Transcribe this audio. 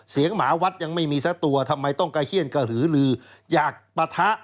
หมาวัดยังไม่มีสักตัวทำไมต้องกระเขี้ยนกระหือลืออยากปะทะ